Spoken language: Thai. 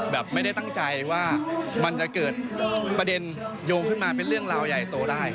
ไม่ได้ตั้งใจว่ามันจะเกิดประเด็นโยงขึ้นมาเป็นเรื่องราวใหญ่โตได้